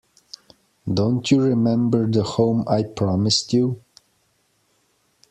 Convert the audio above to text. Don't you remember the home I promised you?